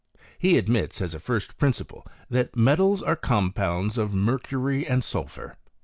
He admits, as a first principle, that metals a compounds of mercury and sulphur.